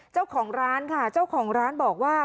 เจ้าของร้านค่ะเจ้าของร้านบอกว่า